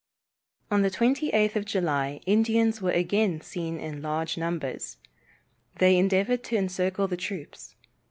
On the 28th of July Indians were again seen in large numbers. They endeavored to encircle the troops.